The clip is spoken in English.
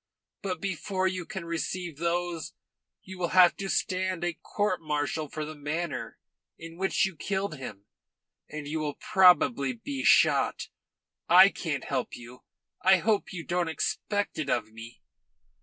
But before you can receive those you will have to stand a court martial for the manner in which you killed him, and you will probably be shot. I can't help you. I hope you don't expect it of me."